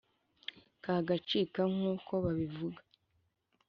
kagacika nku ko babivuga